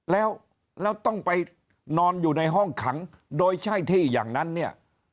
แล้วต้องไปนอนอยู่ในห้องขังโดยใช่ที่อย่างนั้นเนี่ย